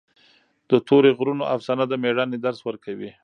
د تورې غرونو افسانه د مېړانې درس ورکوي.